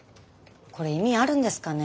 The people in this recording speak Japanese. これ意味あるんですかね？